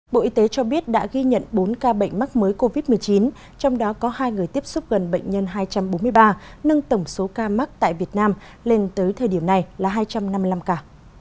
bộ y tế cho biết đã ghi nhận bốn ca bệnh mắc mới covid một mươi chín trong đó có hai người tiếp xúc gần bệnh nhân hai trăm bốn mươi ba nâng tổng số ca mắc tại việt nam lên tới thời điểm này là hai trăm năm mươi năm ca